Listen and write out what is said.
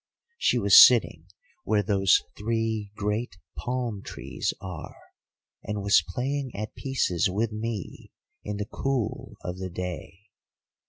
She was sitting where those three great palm trees are, and was playing at pieces with me in the cool of the day.